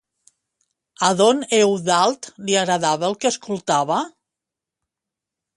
A don Eudald li agradava el que escoltava?